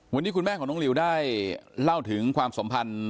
วันนี้คุณแม่ของน้องลิวได้เล่าถึงความสัมพันธ์